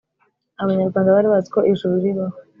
Abanyarwanda bari baziko ijuru ribaho,